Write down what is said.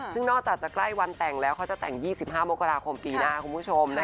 ซึ่งนอกจากจะใกล้วันแต่งแล้วเขาจะแต่ง๒๕มกราคมปีหน้าคุณผู้ชม